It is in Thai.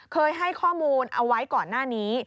เคยให้ข้อมูลเอาไว้ก่อนหน้านี้